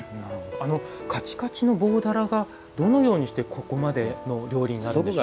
カチカチの棒だらがどのようにしてここまでの料理になるんでしょう。